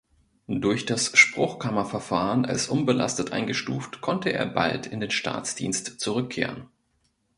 Durch das Spruchkammerverfahren als „unbelastet“ eingestuft, konnte er bald in den Staatsdienst zurückkehren.